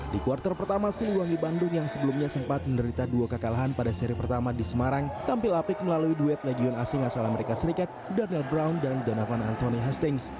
di kuartal pertama siliwangi bandung yang sebelumnya sempat menderita dua kekalahan pada seri pertama di semarang tampil apik melalui duet legion asing asal amerika serikat daniel brown dan ganavan antoni hastings